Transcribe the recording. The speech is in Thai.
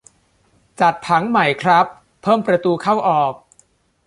จัดผังใหม่ครับ เพิ่มประตูเข้าออก